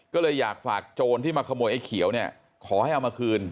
ก็เลยอยากฝากโจรที่มาขโมยไอ้เขียวเนี่ยขอให้เอามาคืน